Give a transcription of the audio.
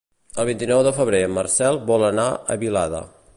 El vint-i-nou de febrer en Marcel vol anar a Vilada.